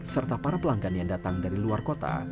serta para pelanggan yang datang dari luar kota